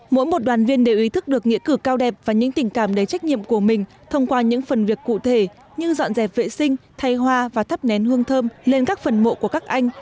mỗi một đoàn viên đều ý thức được nghĩa cử cao đẹp và những tình cảm đầy trách nhiệm của mình thông qua những phần việc cụ thể như dọn dẹp vệ sinh thay hoa và thắp nén hương thơm lên các phần mộ của các anh